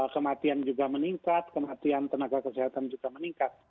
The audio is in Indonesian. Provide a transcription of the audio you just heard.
kematian juga meningkat kematian tenaga kesehatan juga meningkat